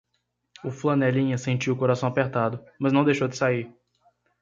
O flanelinha sentiu o coração apertado, mas não deixou de sair